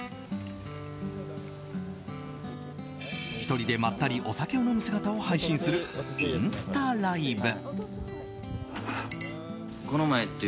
１人でまったりお酒を飲む姿を配信するインスタライブ。